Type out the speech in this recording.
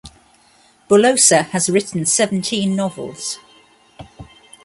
Boullosa has written seventeen novels.